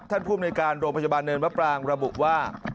ท่านผู้บริการโรงพยาบาลเนินประปรางระบุว่า